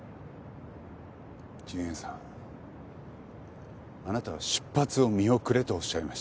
純也さんあなたは出発を見送れとおっしゃいました。